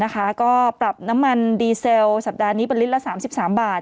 ก็ปรับน้ำมันดีเซลสัปดาห์นี้เป็นลิตรละ๓๓บาท